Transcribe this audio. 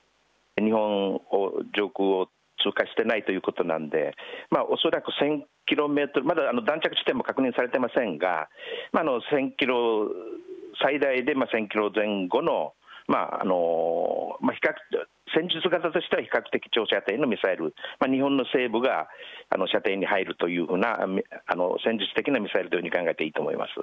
日本上空を通過してないということなんで、恐らく１０００キロメートル、まだ弾着地点も確認されてませんが、１０００キロ、最大で１０００キロ前後の、戦術型としては比較的長射程のミサイル、日本の西部が射程に入るというふうな、戦術的なミサイルというふうに考えていいと思います。